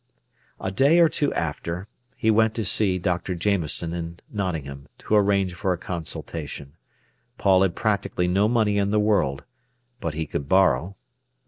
A day or two after, he went to see Dr. Jameson in Nottingham, to arrange for a consultation. Paul had practically no money in the world. But he could borrow.